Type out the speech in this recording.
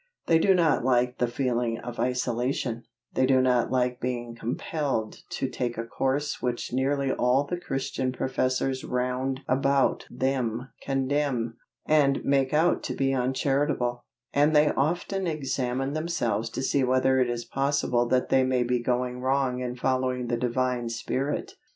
They do not like the feeling of isolation; they do not like being compelled to take a course which nearly all the Christian professors round about them condemn, and make out to be uncharitable, and they often examine themselves to see whether it is possible that they may be going wrong in following the Divine Spirit.